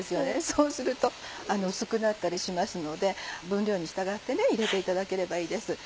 そうすると薄くなったりしますので分量に従って入れていただければいいです。